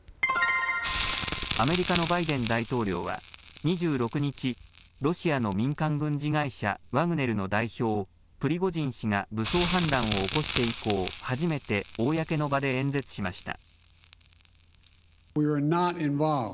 アメリカのバイデン大統領は２６日、ロシアの民間軍事会社ワグネルの代表、プリゴジン氏が武装反乱を起こして以降初めて公の場で演説しました。